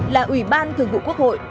là ủy ban thường vụ quốc hội